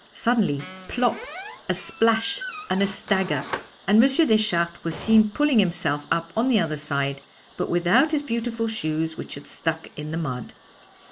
Suddenly plop, a splash, and a stagger! and M. Deschartres was seen pulling himself up on the other side, but without his beautiful shoes, which had stuck in the mud.